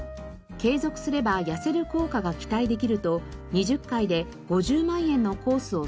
継続すれば痩せる効果が期待できると２０回で５０万円のコースを勧められました。